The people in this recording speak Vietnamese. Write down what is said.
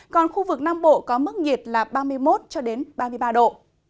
còn khu vực nam bộ có mức nhiệt là ba mươi một ba mươi ba độ